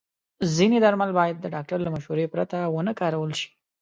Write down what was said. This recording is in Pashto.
ځینې درمل باید د ډاکټر له مشورې پرته ونه کارول شي.